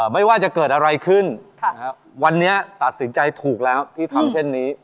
ไม่ว่าจะเกิดอะไรขึ้นวันนี้ตัดสินใจถูกแล้วที่ทำเช่นนี้